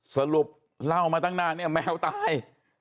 สรุปเล่ามาตั้งนานเนี่ยแมวตาย